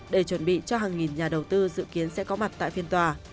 để chuẩn bị cho hàng nghìn nhà đầu tư dự kiến sẽ có mặt tại phiên tòa